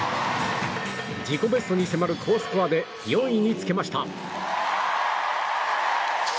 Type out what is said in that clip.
自己ベストに迫る好スコアで４位につけました。